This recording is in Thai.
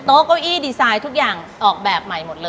เก้าอี้ดีไซน์ทุกอย่างออกแบบใหม่หมดเลย